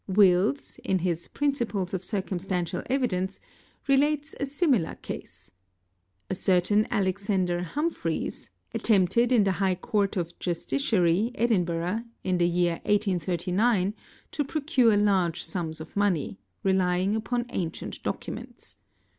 Wélls, in his ' Principles of Circumstantial Evidence' ", relates a similar case. A certain Alexander Humphreys, attempted in the High Court of Justi ciary, Edinburgh, in the year 1839 to procure large sums of money, relying upon ancient documents.